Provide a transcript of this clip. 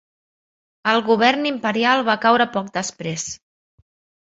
El govern imperial va caure poc després.